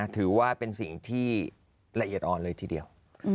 ถือว่าเป็นสิ่งที่ละเอียดอ่อนเลยทีเดียว